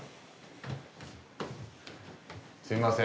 すいません。